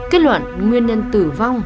kết luận nguyên nhân tử vong